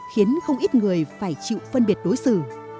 khiến không ít người phải chịu phân biệt đối xử